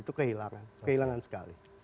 itu kehilangan kehilangan sekali